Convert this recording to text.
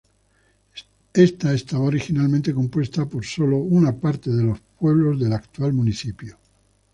Esta estaba originalmente compuesta por sólo una parte de los pueblos del actual municipio.